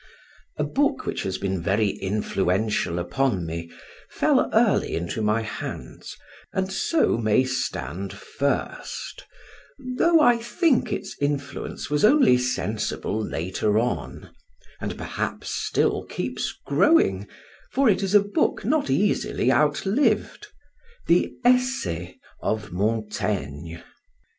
A book which has been very influential upon me fell early into my hands, and so may stand first, though I think its influence was only sensible later on, and perhaps still keeps growing, for it is a book not easily outlived: the Essais of Montaigne.